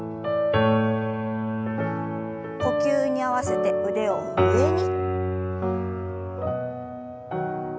呼吸に合わせて腕を上に。